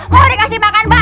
mau dikasih makan batu